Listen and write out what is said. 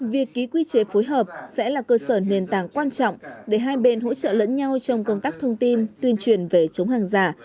việc ký quy chế phối hợp sẽ là cơ sở nền tảng quan trọng để hai bên hỗ trợ lẫn nhau trong công tác thông tin tuyên truyền về chống hàng giả